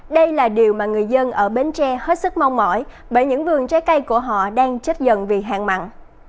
đây là điều mà người dân ở bến tre hết sức mong mỏi bởi những vườn trái cây của họ đang chấp nhận vì hạn mặn